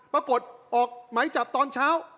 ปรากฏออกไหมจับตอนเช้า